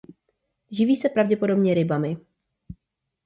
Živí se pravděpodobně rybami.